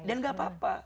dan tidak apa apa